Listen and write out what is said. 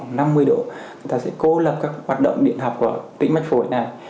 người ta sẽ cố lập các hoạt động điện học của tĩnh mạch phổi này